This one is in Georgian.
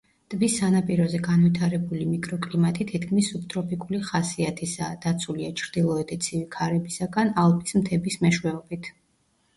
ტბის სანაპიროზე განვითარებული მიკროკლიმატი თითქმის სუბტროპიკული ხასიათისაა, დაცულია ჩრდილოეთი ცივი ქარებისაგან ალპის მთებით მეშვეობით.